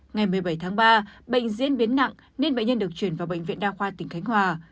ngày một mươi bảy tháng ba bệnh diễn biến nặng nên bệnh nhân được chuyển vào bệnh viện đa khoa tỉnh khánh hòa